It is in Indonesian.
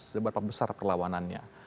seberapa besar perlawanannya